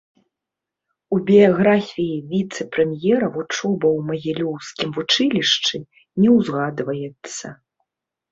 У біяграфіі віцэ-прэм'ера вучоба ў магілёўскім вучылішчы не ўзгадваецца.